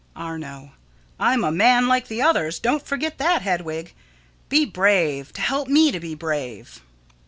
Arno: I'm a man, like the others; don't forget that, Hedwig. Be brave to help me to be brave.